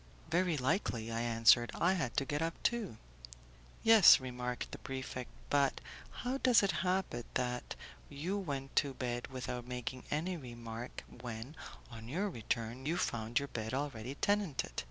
"Very likely," I answered; "I had to get up, too." "Yes," remarked the prefect; "but how does it happen that you went to bed without making any remark when, on your return, you found your bed already tenanted?